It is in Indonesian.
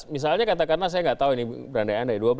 misalnya katakanlah saya nggak tahu ini berandai andai